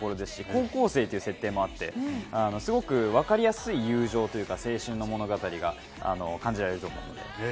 高校生という設定もあって、すごくわかりやすい友情というか、青春物語が感じられる部分です。